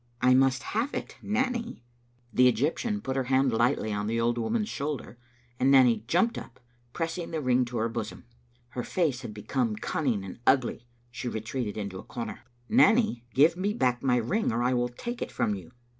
" I must have it, Nanny." The Egyptian put her hand lightly on the old woman's shoulder, and Nanny jumped up, pressing the ring to her bosom. Her face had become cunning and ugly; she retreated into a comer. " Nanny, give me back my ring or I will take it from you."